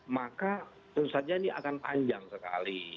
maka tentu saja ini akan panjang sekali